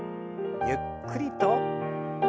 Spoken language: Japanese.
ゆっくりと。